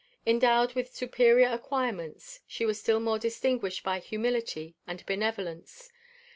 ENDOWED WITH SUPERIOR ACQUIREMENTS, SHE WAS STILL MORE DISTINGUISHED BY HUMILITY AND BENEVOLENCE.